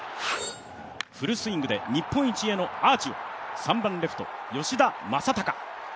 フルスイングで日本一へのアーチを３番・レフト・吉田正尚。